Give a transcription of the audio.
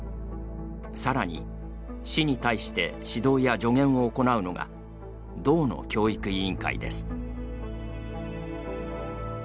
さらに、市に対して指導や助言を行うのが道の教育委員会です。